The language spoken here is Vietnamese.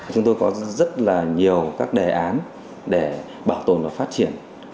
chúng tôi có rất là nhiều các đề án để bảo tồn và phát triển